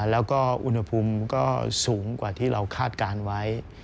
แล้วก็อุณหภูมิก็สูงกว่าที่เราคาดการณ์ไว้